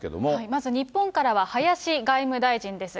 まず日本からは林外務大臣です。